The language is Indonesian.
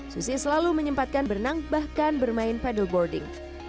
susi selalu menyempatkan berenang bahkan bermain paddle boarding